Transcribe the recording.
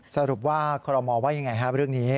สรุปว่าคอรมอลว่ายังไงครับเรื่องนี้